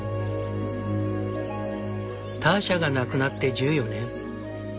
ターシャが亡くなって１４年。